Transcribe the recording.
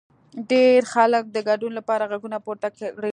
ډېر خلک د ګډون لپاره غږونه پورته کړي.